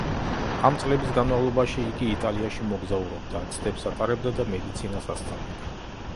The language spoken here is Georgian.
ამ წლების განმავლობაში იგი იტალიაში მოგზაურობდა, ცდებს ატარებდა და მედიცინას ასწავლიდა.